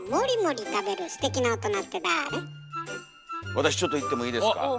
私ちょっといってもいいですか？